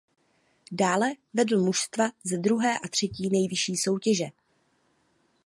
Dále vedl mužstva ze druhé a třetí nejvyšší soutěže.